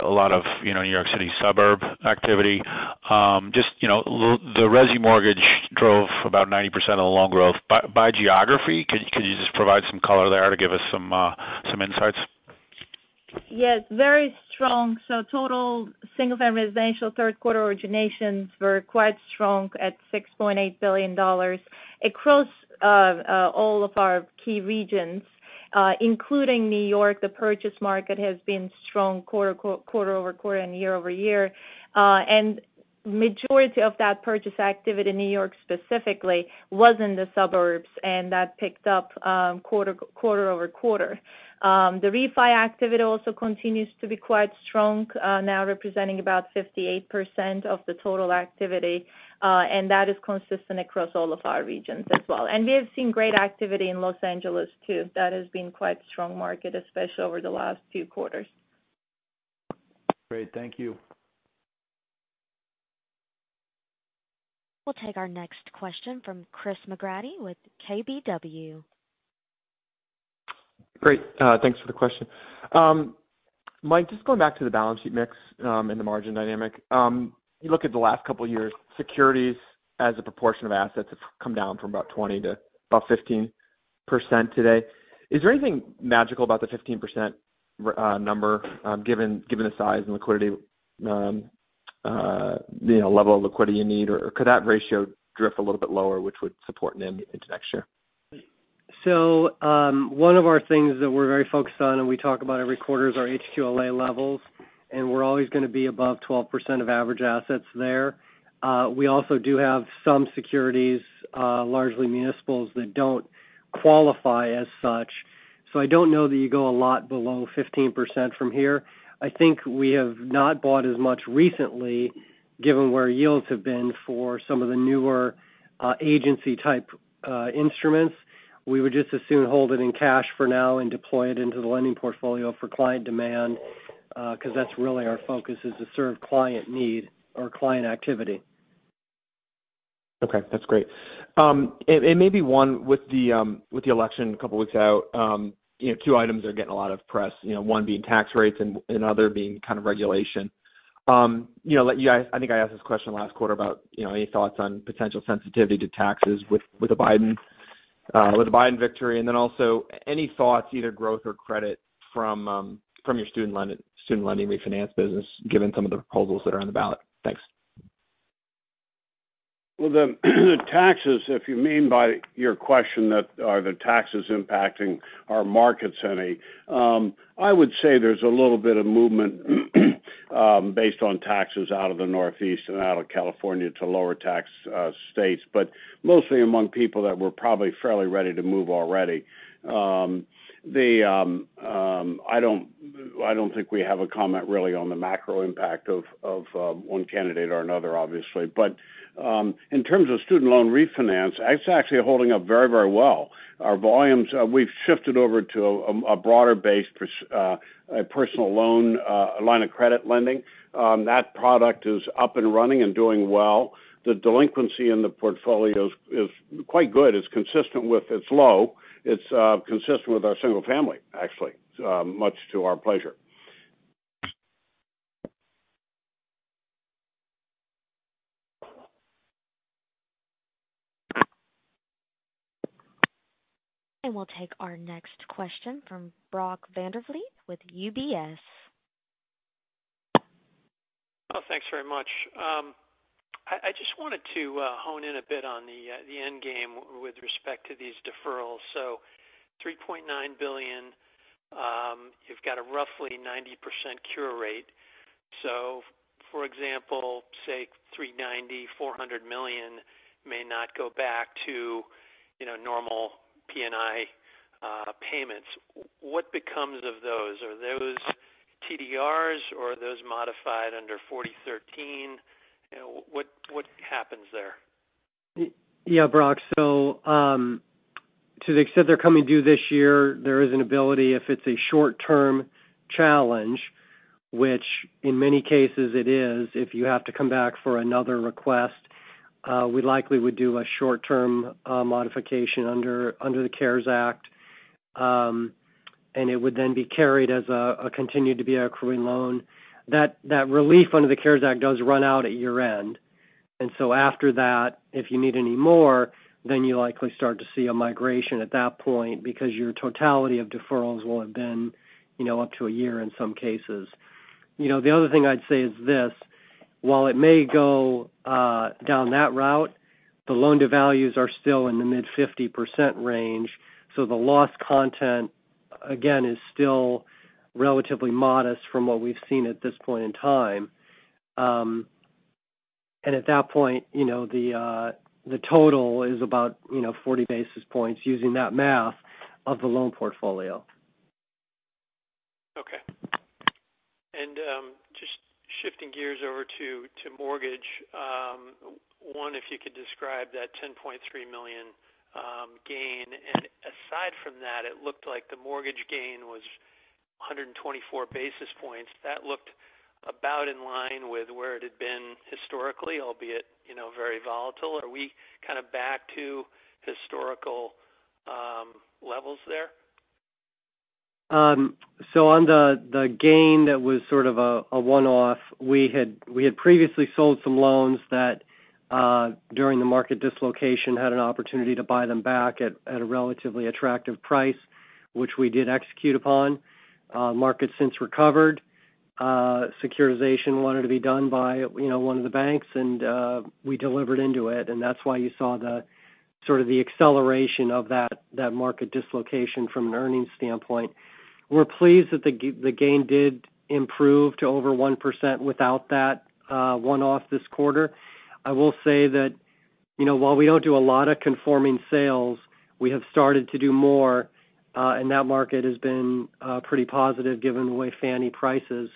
a lot of New York City suburban activity. Just the resi Mortgage drove about 90% of the loan growth. By geography, could you just provide some color there to give us some insights?
Yes. Very strong. So total single-family residential third-quarter originations were quite strong at $6.8 billion across all of our key regions, including New York. The purchase market has been strong quarter over quarter and year-over-year. And the majority of that purchase activity in New York specifically was in the suburbs, and that picked up quarter over quarter. The refi activity also continues to be quite strong, now representing about 58% of the total activity. And that is consistent across all of our regions as well. And we have seen great activity in Los Angeles too. That has been quite a strong market, especially over the last few quarters.
Great. Thank you.
We'll take our next question from Chris McGratty with KBW.
Great. Thanks for the question. Mike, just going back to the balance sheet mix and the margin dynamic, you look at the last couple of years, securities as a proportion of assets have come down from about 20% to about 15% today. Is there anything magical about the 15% number given the size and level of liquidity you need? Or could that ratio drift a little bit lower, which would support NIM into next year?
So one of our things that we're very focused on, and we talk about every quarter, is our HQLA levels. And we're always going to be above 12% of average assets there. We also do have some securities, largely municipals, that don't qualify as such. So I don't know that you go a lot below 15% from here. I think we have not bought as much recently, given where yields have been for some of the newer agency-type instruments. We would just as soon hold it in cash for now and deploy it into the lending portfolio for client demand because that's really our focus is to serve client need or client activity.
Okay. That's great. And maybe one with the election a couple of weeks out, two items are getting a lot of press, one being tax rates and another being kind of regulation. I think I asked this question last quarter about any thoughts on potential sensitivity to taxes with the Biden victory. And then also any thoughts, either growth or credit, from your student lending refinance business, given some of the proposals that are on the ballot? Thanks.
The taxes, if you mean by your question that are the taxes impacting our markets any, I would say there's a little bit of movement based on taxes out of the Northeast and out of California to lower-tax states, but mostly among people that were probably fairly ready to move already. I don't think we have a comment really on the macro impact of one candidate or another, obviously. But in terms of student loan refinance, it's actually holding up very, very well. Our volumes, we've shifted over to a broader-based personal loan line of credit lending. That product is up and running and doing well. The delinquency in the portfolio is quite good. It's consistent with its low. It's consistent with our single family, actually, much to our pleasure.
We'll take our next question from Brock Vandervliet with UBS.
Oh, thanks very much. I just wanted to hone in a bit on the end game with respect to these deferrals. So $3.9 billion, you've got a roughly 90% cure rate. So for example, say $390-$400 million may not go back to normal P&I payments. What becomes of those? Are those TDRs or are those modified under 4013? What happens there?
Yeah, Brock. So to the extent they're coming due this year, there is an ability if it's a short-term challenge, which in many cases it is, if you have to come back for another request, we likely would do a short-term modification under the CARES Act, and it would then be carried as a continued to be a accruing loan, that relief under the CARES Act does run out at year-end, and so after that, if you need any more, then you likely start to see a migration at that point because your totality of deferrals will have been up to a year in some cases. The other thing I'd say is this. While it may go down that route, the loan-to-values are still in the mid-50% range, so the loss content, again, is still relatively modest from what we've seen at this point in time. At that point, the total is about 40 basis points using that math of the loan portfolio.
Okay. And just shifting gears over to mortgage, one, if you could describe that $10.3 million gain. And aside from that, it looked like the mortgage gain was 124 basis points. That looked about in line with where it had been historically, albeit very volatile. Are we kind of back to historical levels there?
So on the gain that was sort of a one-off, we had previously sold some loans that during the market dislocation had an opportunity to buy them back at a relatively attractive price, which we did execute upon. The market since recovered. Securitization wanted to be done by one of the banks, and we delivered into it. And that's why you saw sort of the acceleration of that market dislocation from an earnings standpoint. We're pleased that the gain did improve to over 1% without that one-off this quarter. I will say that while we don't do a lot of conforming sales, we have started to do more. And that market has been pretty positive given the way Fannie prices.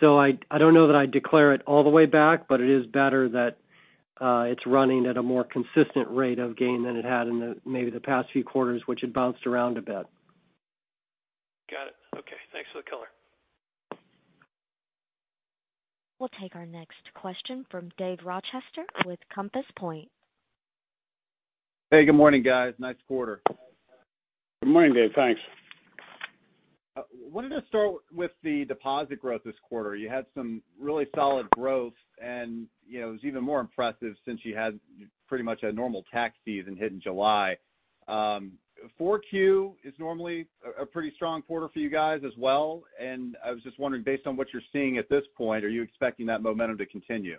So I don't know that I'd declare it all the way back, but it is better that it's running at a more consistent rate of gain than it had in maybe the past few quarters, which had bounced around a bit.
Got it. Okay. Thanks for the color.
We'll take our next question from Dave Rochester with Compass Point.
Hey, good morning, guys. Nice quarter.
Good morning, Dave. Thanks.
Why don't I start with the deposit growth this quarter? You had some really solid growth, and it was even more impressive since you had pretty much a normal tax season hit in July. 4Q is normally a pretty strong quarter for you guys as well, and I was just wondering, based on what you're seeing at this point, are you expecting that momentum to continue?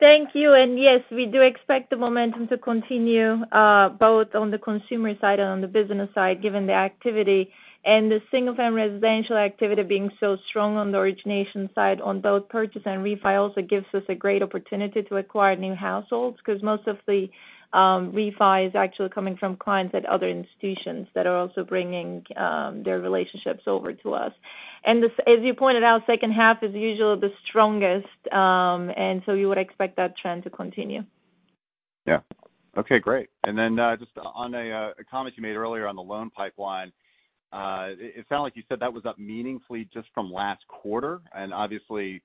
Thank you. And yes, we do expect the momentum to continue both on the consumer side and on the business side, given the activity. And the single-family residential activity being so strong on the origination side on both purchase and refi also gives us a great opportunity to acquire new households because most of the refi is actually coming from clients at other institutions that are also bringing their relationships over to us. And as you pointed out, second half is usually the strongest. And so we would expect that trend to continue.
Yeah. Okay. Great. And then just on a comment you made earlier on the loan pipeline, it sounded like you said that was up meaningfully just from last quarter. And obviously,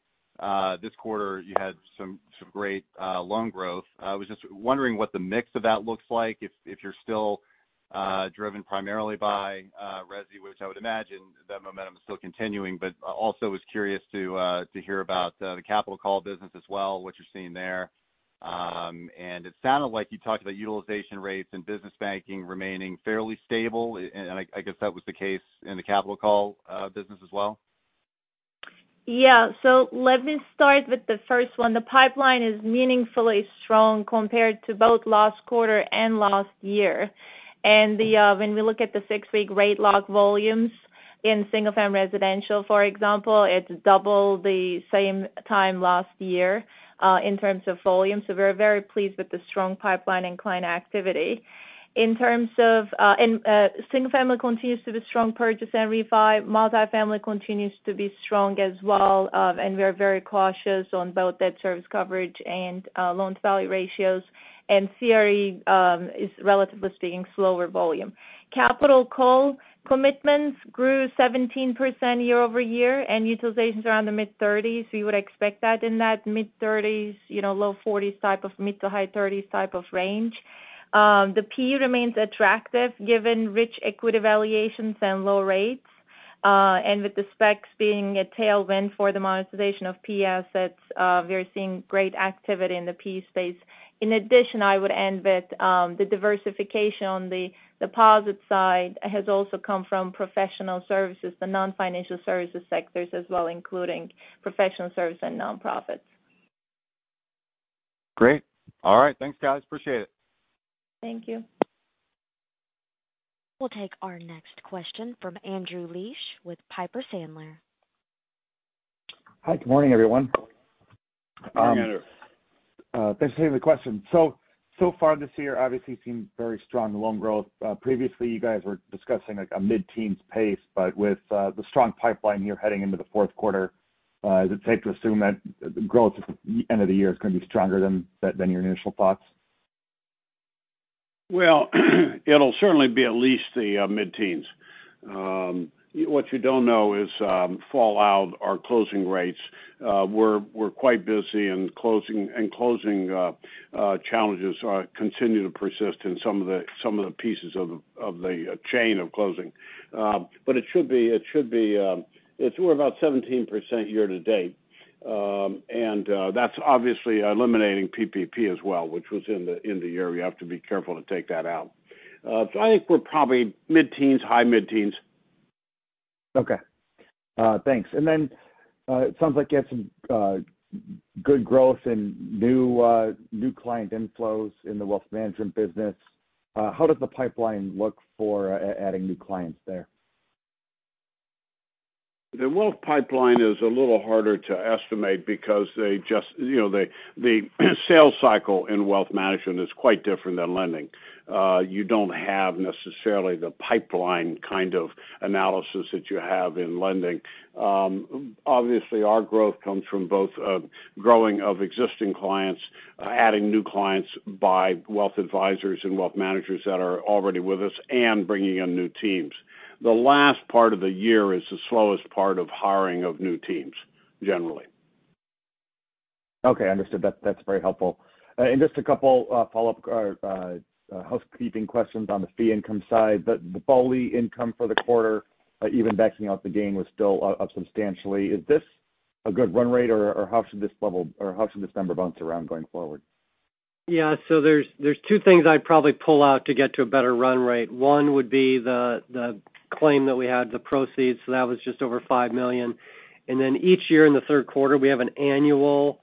this quarter, you had some great loan growth. I was just wondering what the mix of that looks like if you're still driven primarily by resi, which I would imagine that momentum is still continuing. But also was curious to hear about the capital call business as well, what you're seeing there. And it sounded like you talked about utilization rates and business banking remaining fairly stable. And I guess that was the case in the capital call business as well.
Yeah, so let me start with the first one. The pipeline is meaningfully strong compared to both last quarter and last year, and when we look at the six-week rate lock volumes in single-family residential, for example, it's double the same time last year in terms of volume, so we're very pleased with the strong pipeline and client activity. In terms of single-family continues to be strong purchase and refi. Multi-family continues to be strong as well, and we're very cautious on both debt service coverage and loan-to-value ratios, and CRE is, relatively speaking, slower volume. Capital call commitments grew 17% year-over-year, and utilizations are in the mid-30s. We would expect that in that mid-30s, low 40s type of mid to high 30s type of range. The PE remains attractive given rich equity valuations and low rates. With the SPACs being a tailwind for the monetization of PE assets, we're seeing great activity in the PE space. In addition, I would end with the diversification on the deposit side has also come from professional services, the non-financial services sectors as well, including professional service and nonprofits.
Great. All right. Thanks, guys. Appreciate it.
Thank you.
We'll take our next question from Andrew Liesch with Piper Sandler.
Hi. Good morning, everyone.
Good morning, Andrew.
Thanks for taking the question. So far this year, obviously, seemed very strong loan growth. Previously, you guys were discussing a mid-teens pace. But with the strong pipeline here heading into the fourth quarter, is it safe to assume that the growth at the end of the year is going to be stronger than your initial thoughts?
It'll certainly be at least the mid-teens. What you don't know is fallout or closing rates. We're quite busy, and closing challenges continue to persist in some of the pieces of the chain of closing. But it should be we're about 17% year-to-date. And that's obviously eliminating PPP as well, which was in the year. We have to be careful to take that out. I think we're probably mid-teens, high mid-teens.
Okay. Thanks. And then it sounds like you had some good growth in new client inflows in the wealth management business. How does the pipeline look for adding new clients there?
The wealth pipeline is a little harder to estimate because the sales cycle in wealth management is quite different than lending. You don't have necessarily the pipeline kind of analysis that you have in lending. Obviously, our growth comes from both growing of existing clients, adding new clients by wealth advisors and wealth managers that are already with us, and bringing in new teams. The last part of the year is the slowest part of hiring of new teams, generally.
Okay. Understood. That's very helpful. And just a couple of follow-up housekeeping questions on the fee income side. The BOLI income for the quarter, even backing out the gain, was still up substantially. Is this a good run rate, or how should this level or how should this number bounce around going forward?
Yeah, so there's two things I'd probably pull out to get to a better run rate. One would be the claim that we had, the proceeds, so that was just over $5 million. And then each year in the third quarter, we have an annual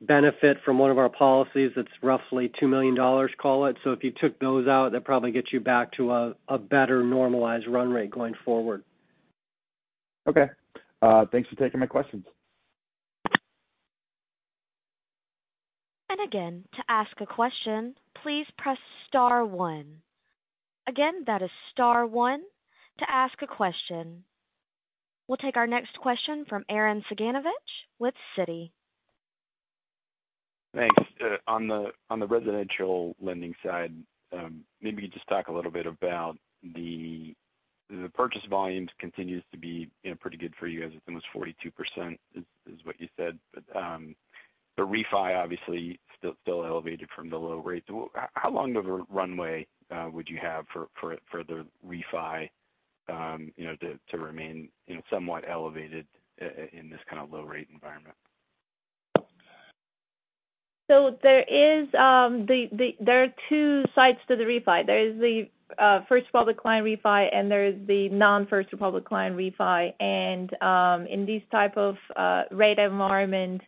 benefit from one of our policies that's roughly $2 million, call it, so if you took those out, that probably gets you back to a better normalized run rate going forward.
Okay. Thanks for taking my questions.
And again, to ask a question, please press star one. Again, that is star one to ask a question. We'll take our next question from Arren Cyganovich with Citi. Thanks. On the residential lending side, maybe you could just talk a little bit about the purchase volumes continues to be pretty good for you guys. It's almost 42% is what you said. But the refi, obviously, still elevated from the low rate. How long of a runway would you have for the refi to remain somewhat elevated in this kind of low-rate environment?
There are two sides to the refi. There is the First Republic client refi, and there is the non-First Republic client refi. In these type of rate environments,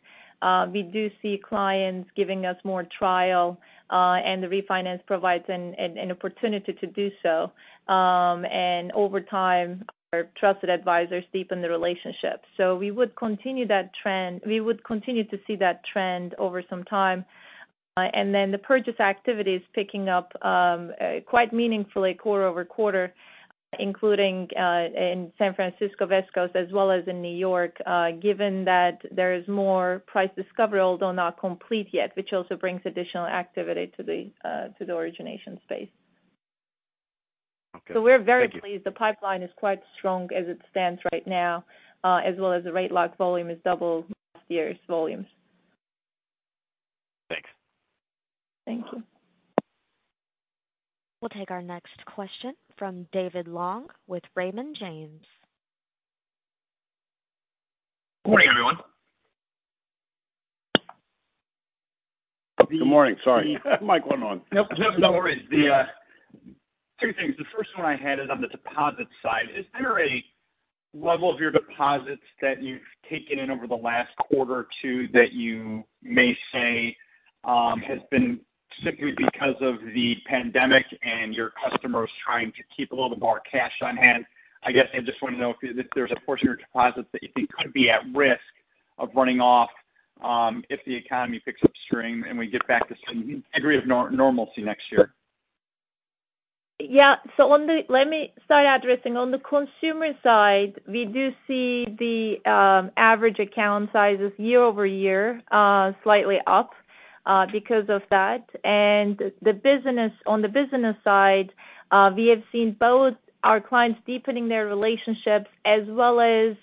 we do see clients giving us more trial, and the refinance provides an opportunity to do so. Over time, our trusted advisors deepen the relationship. We would continue that trend. We would continue to see that trend over some time. The purchase activity is picking up quite meaningfully quarter over quarter, including in San Francisco, as well as in New York, given that there is more price discovery, although not complete yet, which also brings additional activity to the origination space. We're very pleased. The pipeline is quite strong as it stands right now, as well as the rate lock volume is double last year's volumes. Thanks. Thank you.
We'll take our next question from David Long with Raymond James.
Good morning, everyone.
Good morning. Sorry. Mic went on.
No worries. Two things. The first one I had is on the deposit side. Is there a level of your deposits that you've taken in over the last quarter or two that you may say has been simply because of the pandemic and your customers trying to keep a little more cash on hand? I guess I just want to know if there's a portion of your deposits that you think could be at risk of running off if the economy picks up strength and we get back to some degree of normalcy next year?
Yeah. So let me start addressing. On the consumer side, we do see the average account sizes year-over-year slightly up because of that. And on the business side, we have seen both our clients deepening their relationships as well as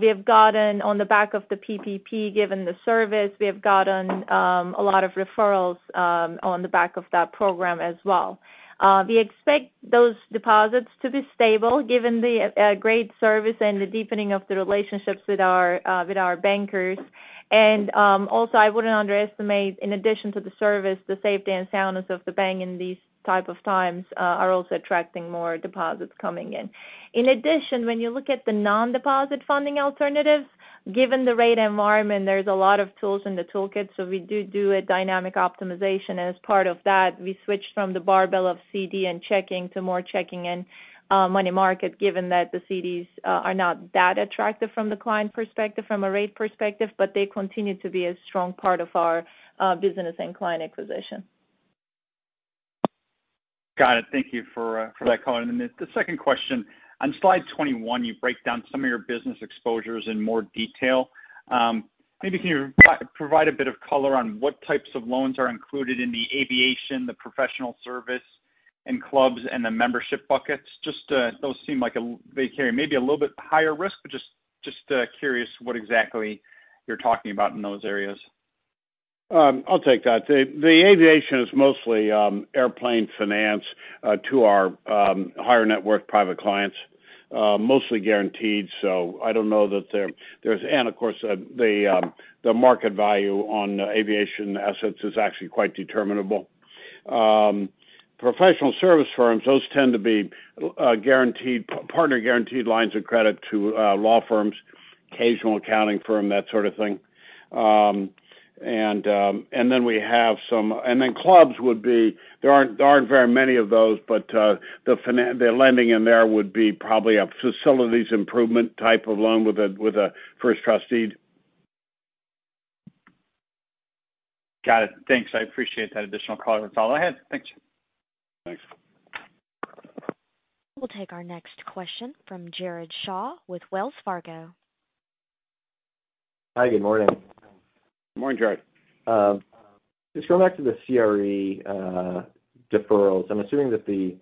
we have gotten on the back of the PPP, given the service, we have gotten a lot of referrals on the back of that program as well. We expect those deposits to be stable given the great service and the deepening of the relationships with our bankers. And also, I wouldn't underestimate, in addition to the service, the safety and soundness of the bank in these type of times are also attracting more deposits coming in. In addition, when you look at the non-deposit funding alternatives, given the rate environment, there's a lot of tools in the toolkit. So we do do a dynamic optimization. And as part of that, we switched from the barbell of CD and checking to more checking and money market, given that the CDs are not that attractive from the client perspective, from a rate perspective, but they continue to be a strong part of our business and client acquisition.
Got it. Thank you for that comment. And then the second question, on slide 21, you break down some of your business exposures in more detail. Maybe can you provide a bit of color on what types of loans are included in the aviation, the professional service, and clubs, and the membership buckets? Just those seem like they carry maybe a little bit higher risk, but just curious what exactly you're talking about in those areas.
I'll take that. The aviation is mostly airplane finance to our higher net worth private clients, mostly guaranteed. So I don't know that there's, and of course, the market value on aviation assets is actually quite determinable. Professional service firms, those tend to be guaranteed partner-guaranteed lines of credit to law firms, occasional accounting firm, that sort of thing. And then we have some, and then clubs. There aren't very many of those, but the lending in there would be probably a facilities improvement type of loan with a first trust deed.
Got it. Thanks. I appreciate that additional color. That's all I had. Thanks.
Thanks.
We'll take our next question from Jared Shaw with Wells Fargo.
Hi. Good morning.
Good morning, Jared.
Just going back to the CRE deferrals, I'm assuming that the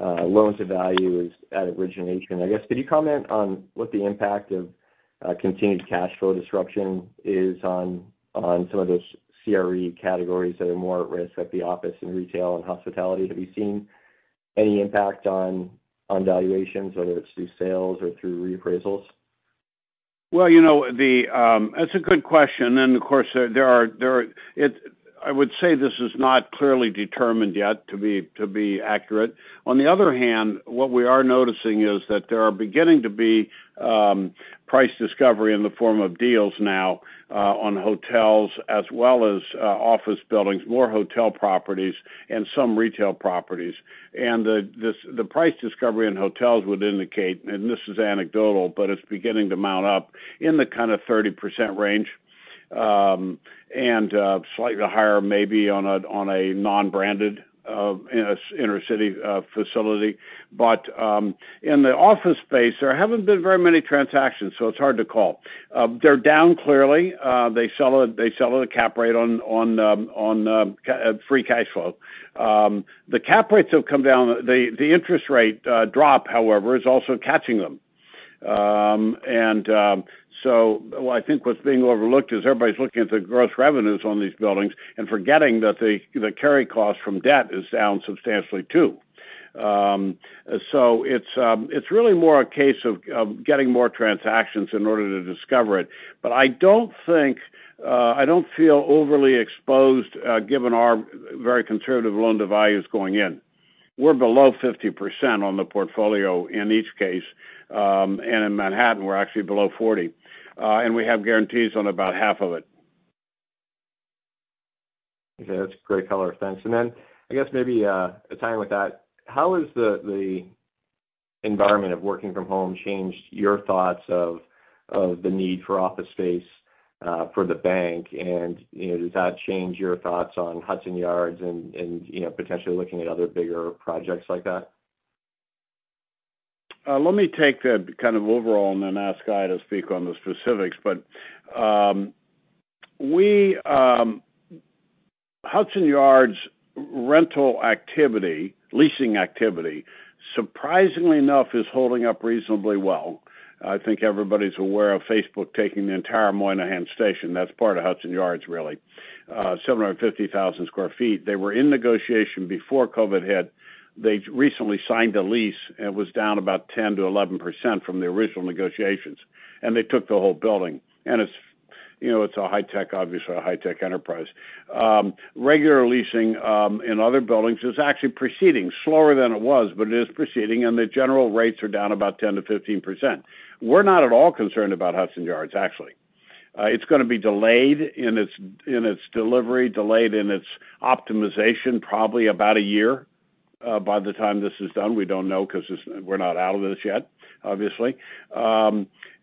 loan-to-value is at origination. I guess could you comment on what the impact of continued cash flow disruption is on some of those CRE categories that are more at risk like the office and retail and hospitality? Have you seen any impact on valuations, whether it's through sales or through reappraisals?
Well, that's a good question. And of course, there are. I would say this is not clearly determined yet to be accurate. On the other hand, what we are noticing is that there are beginning to be price discovery in the form of deals now on hotels as well as office buildings, more hotel properties, and some retail properties. And the price discovery in hotels would indicate, and this is anecdotal, but it's beginning to mount up in the kind of 30% range and slightly higher maybe on a non-branded inner-city facility. But in the office space, there haven't been very many transactions, so it's hard to call. They're down clearly. They sell at a cap rate on free cash flow. The cap rates have come down. The interest rate drop, however, is also catching them. And so I think what's being overlooked is everybody's looking at the gross revenues on these buildings and forgetting that the carry cost from debt is down substantially too. So it's really more a case of getting more transactions in order to discover it. But I don't think I feel overly exposed given our very conservative loan-to-values going in. We're below 50% on the portfolio in each case. And in Manhattan, we're actually below 40%. And we have guarantees on about half of it.
Okay. That's great color. Thanks. And then I guess maybe a tie-in with that, how has the environment of working from home changed your thoughts of the need for office space for the bank? And does that change your thoughts on Hudson Yards and potentially looking at other bigger projects like that?
Let me take the kind of overall and then ask Gaye to speak on the specifics. But Hudson Yards' rental activity, leasing activity, surprisingly enough, is holding up reasonably well. I think everybody's aware of Facebook taking the entire Moynihan Station. That's part of Hudson Yards, really. 750,000 sq ft. They were in negotiation before COVID hit. They recently signed a lease, and it was down about 10%-11% from the original negotiations. And they took the whole building. And it's a high-tech, obviously, a high-tech enterprise. Regular leasing in other buildings is actually proceeding slower than it was, but it is proceeding. And the general rates are down about 10%-15%. We're not at all concerned about Hudson Yards, actually. It's going to be delayed in its delivery, delayed in its optimization, probably about a year by the time this is done. We don't know because we're not out of this yet, obviously.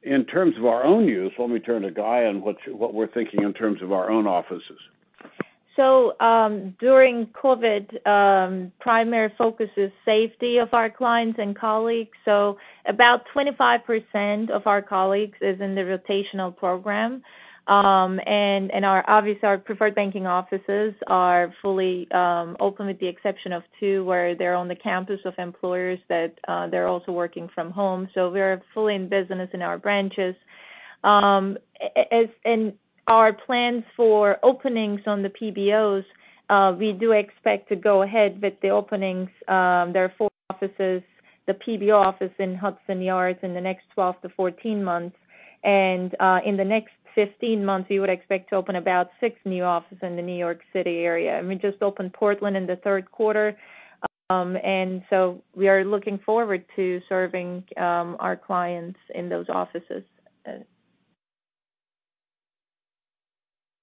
In terms of our own use, let me turn to Gaye on what we're thinking in terms of our own offices.
During COVID, primary focus is safety of our clients and colleagues. About 25% of our colleagues is in the rotational program. Obviously, our Preferred Banking Offices are fully open, with the exception of two where they're on the campus of employers that they're also working from home. We're fully in business in our branches. Our plans for openings on the PBOs, we do expect to go ahead with the openings. There are four offices, the PBO office in Hudson Yards in the next 12-14 months. In the next 15 months, we would expect to open about six new offices in the New York City area. We just opened Portland in the third quarter. We are looking forward to serving our clients in those offices.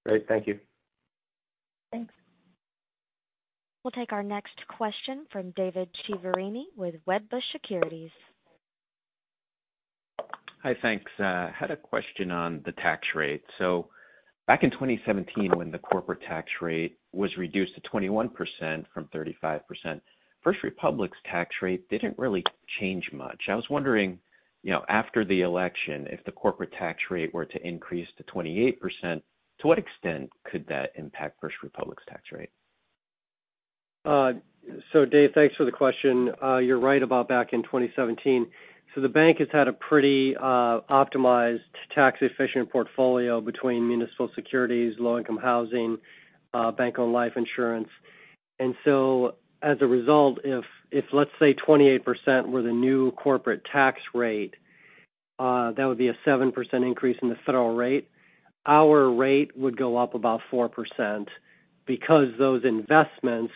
Great. Thank you.
Thanks.
We'll take our next question from David Chiaverini with Wedbush Securities.
Hi. Thanks. I had a question on the tax rate. So back in 2017, when the corporate tax rate was reduced to 21% from 35%, First Republic's tax rate didn't really change much. I was wondering, after the election, if the corporate tax rate were to increase to 28%, to what extent could that impact First Republic's tax rate?
So Dave, thanks for the question. You're right about back in 2017. So the bank has had a pretty optimized, tax-efficient portfolio between municipal securities, low-income housing, bank-owned life insurance. And so as a result, if, let's say, 28% were the new corporate tax rate, that would be a 7% increase in the federal rate. Our rate would go up about 4% because those investments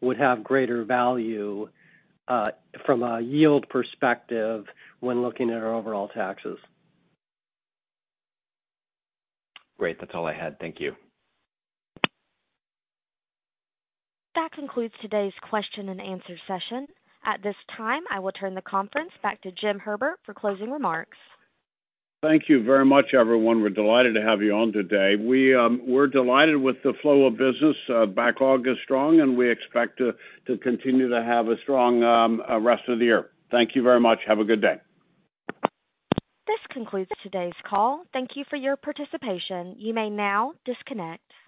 would have greater value from a yield perspective when looking at our overall taxes.
Great. That's all I had. Thank you.
That concludes today's question-and-answer session. At this time, I will turn the conference back to Jim Herbert for closing remarks.
Thank you very much, everyone. We're delighted to have you on today. We're delighted with the flow of business back August strong, and we expect to continue to have a strong rest of the year. Thank you very much. Have a good day.
This concludes today's call. Thank you for your participation. You may now disconnect.